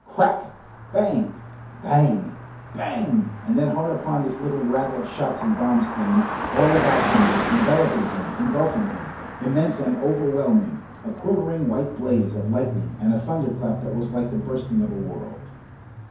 Crack! Bang! Bang! Bang! And then hard upon this little rattle of shots and bombs came, all about him, enveloping him, engulfing him, immense and overwhelming, a quivering white blaze of lightning and a thunder clap that was like the bursting of a world.